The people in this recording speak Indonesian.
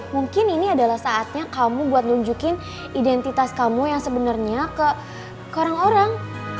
mungkin ini adalah saatnya kamu buat nunjukin identitas kamu yang sebenarnya ke orang orang